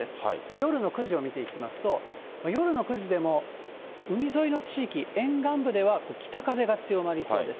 夜の９時を見ていきますと、夜の９時でも、海沿いの地域、沿岸部では北風が強まりそうです。